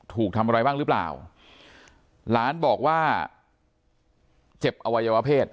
ถูกทำอะไรบ้างหรือเปล่าหลานบอกว่าเจ็บอวัยวะเพศ